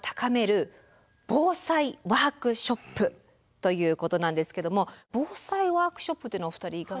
ということなんですけども防災ワークショップというのはお二人いかがでございますか？